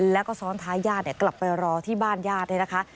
แล้วก็ซ้อนท้ายย่านกลับไปรอที่บ้านย่านนี่นะคะ